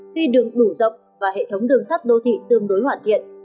khi đường đủ rộng và hệ thống đường sắt đô thị tương đối hoàn thiện